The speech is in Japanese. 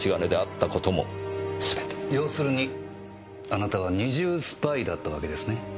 要するにあなたは二重スパイだったわけですね。